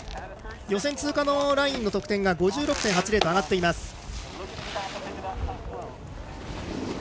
予選通過ラインの得点が５２．８０と上がっています。